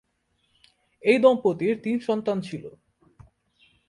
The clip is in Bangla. এই দম্পতির তিন সন্তান ছিল।